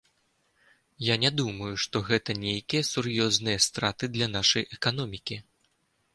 Я не думаю, што гэта нейкія сур'ёзныя страты для нашай эканомікі.